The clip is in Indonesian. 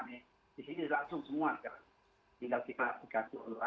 di sini langsung semua